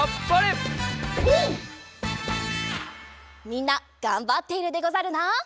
みんながんばっているでござるな。